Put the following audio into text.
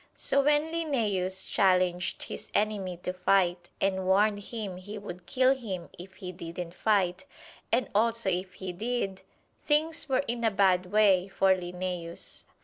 So when Linnæus challenged his enemy to fight, and warned him he would kill him if he didn't fight, and also if he did, things were in a bad way for Linnæus.